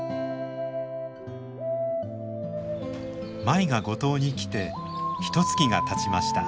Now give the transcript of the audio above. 舞が五島に来てひとつきがたちました。